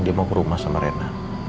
dia mau ke rumah sama rena